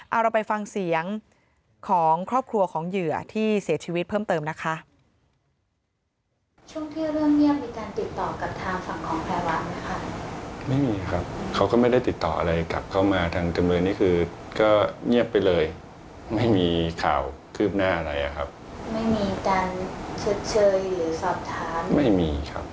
เอาเราไปฟังเสียงของครอบครัวของเหยื่อที่เสียชีวิตเพิ่มเติมนะคะ